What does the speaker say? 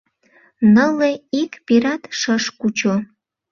Нылле ик пират шыш кучо.